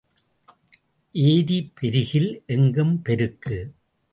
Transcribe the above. ஏரி பெருகில் எங்கும் பெருக்கு.